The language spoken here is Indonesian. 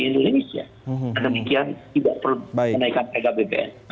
karena demikian tidak perlu menaikkan harga bpn